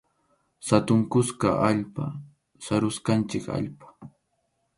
Hatun kuska allpa, sarusqanchik allpa.